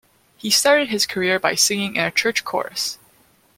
He started his career by singing in a church chorus.